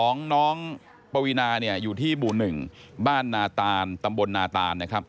ศพของน้องปวีนาอยู่ที่บุญหนึ่งบ้านนาตาลตำบลนาตาล